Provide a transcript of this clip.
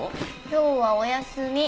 今日はお休み。